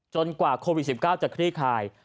กว่าโควิด๑๙จะคลี่คลาย